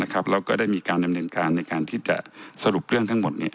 แล้วก็ได้มีการดำเนินการในการที่จะสรุปเรื่องทั้งหมด